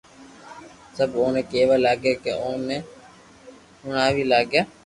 سب اوني ڪيوا لاگيا ڪي اوني ھڻاوي لاگيا